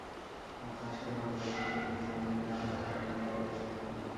আর তার সাথে ভাল ব্যবহার করবে তা নাহলে আমাকে আগামীকাল আবার আসতে হবে।